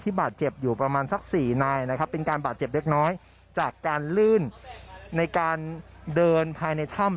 บาดเจ็บอยู่ประมาณสัก๔นายนะครับเป็นการบาดเจ็บเล็กน้อยจากการลื่นในการเดินภายในถ้ำ